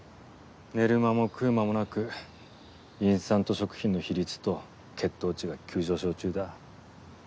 寝る間も食う間もなくインスタント食品の比率と血糖値が急上昇中だ。